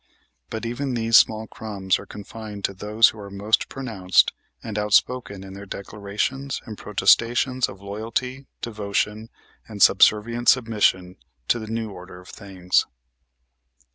But even these small crumbs are confined to those who are most pronounced and outspoken in their declarations and protestations of loyalty, devotion, and subservient submission to the new order of things.